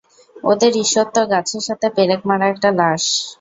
ওদের ঈশ্বর তো গাছের সাথে পেরেক মারা একটা লাশ।